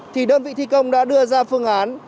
thì đơn vị thi công đã đưa ra phương án